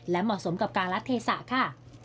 และเหมาะสมกับการละเทศะค่ะ